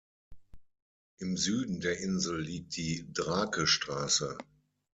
Im Süden der Insel liegt die Drakestraße.